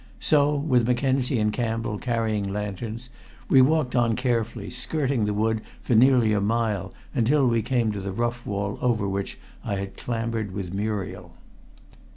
So, with Mackenzie and Campbell carrying lanterns, we walked on carefully, skirting the wood for nearly a mile until we came to the rough wall over which I had clambered with Muriel.